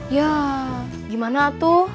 ya gimana tuh